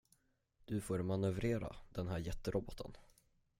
Du får manövrera den här jätteroboten.